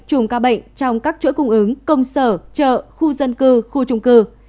trùng ca bệnh trong các chỗ cung ứng công sở chợ khu dân cư khu trung cư